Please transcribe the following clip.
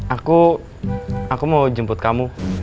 aku aku mau jemput kamu